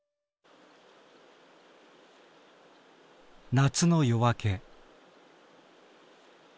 夏の夜明け。